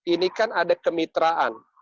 ini kan ada kemitraan